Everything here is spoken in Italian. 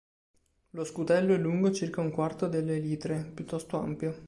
Lo scutello è lungo circa un quarto delle elitre, piuttosto ampio.